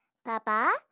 パパ